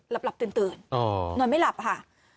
หลับตื่นนอนไม่หลับค่ะ